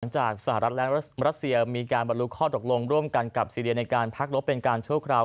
จากสหรัฐและรัสเซียมีการบรรลุข้อตกลงร่วมกันกับซีเรียในการพักลบเป็นการชั่วคราว